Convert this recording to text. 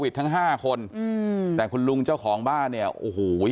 ติดทั้งห้าคนแต่คุณลุงเจ้าของบ้านเนี่ยโอ้โหเว้ย